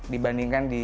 dibandingkan di lokal